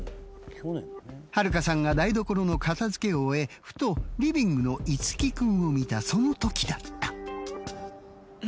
春香さんが台所の片づけを終えふとリビングの樹君を見たそのときだった。